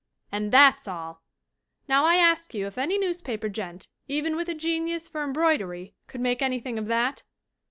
"And that's all! Now I ask you if any newspaper gent, even with a genius for embroidery, could make anything of that?